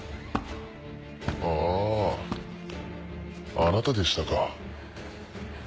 あなたでしたか。